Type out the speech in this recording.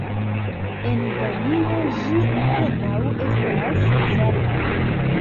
En Danio ĝi apenaŭ estas uzata.